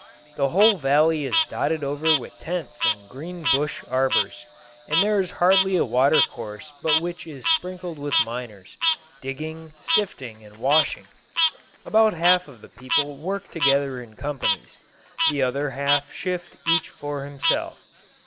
The whole valley is dotted over with tents and green bush arbours, and there is hardly a watercourse but which is sprinkled with miners, digging, sifting, and washing. About half of the people work together in companies the other half shift each for himself.